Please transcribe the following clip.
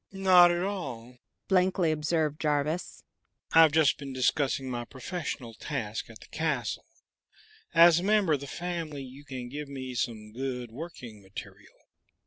"Not at all," blankly observed Jarvis. "I've just been discussing my professional task at the castle; as a member of the family you can give me some good working material."